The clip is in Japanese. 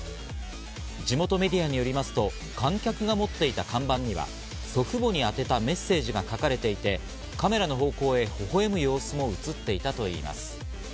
地元メディアによりますと、観客が持っていた看板には祖父母に宛たメッセージが書かれていて、カメラの方向へほほ笑む様子も写っていたといいます。